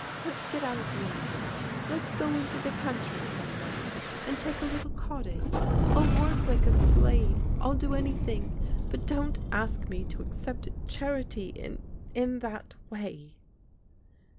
Let's get out of London, let's go into the country, somewhere, and take a little cottage. I'll work like a slave, I'll do anything, but don't ask me to accept charity in — ^in that way."